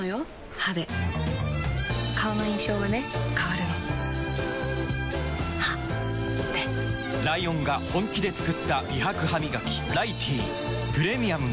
歯で顔の印象はね変わるの歯でライオンが本気で作った美白ハミガキ「ライティー」プレミアムも